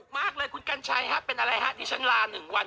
มากเลยคุณกันชัยเป็นอะไรที่ฉันลาหนึ่งวัน